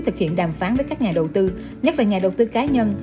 thực hiện đàm phán với các nhà đầu tư nhất là nhà đầu tư cá nhân